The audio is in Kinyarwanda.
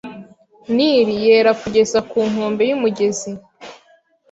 Nili yera kugeza ku nkombe y’umugezi